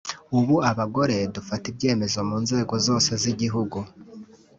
ubu abagore dufata ibyemezo mu nzego zose z’igihugu